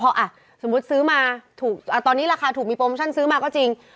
เพราะสมมุติซื้อมาถูกตอนนี้ราคาถูกมีโปรโมชั่นซื้อมาก็จริง